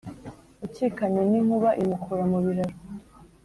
ukikanye n’inkuba imukura mu biraro.